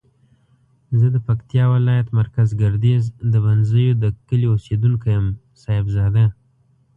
زه د پکتیاولایت مرکز ګردیز د بنزیو دکلی اوسیدونکی یم صاحب زاده